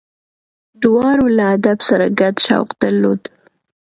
دواړو له ادب سره ګډ شوق درلود.